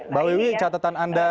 mbak wiwi catatan anda